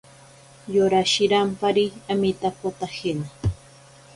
Yora shirampari amitakotajena.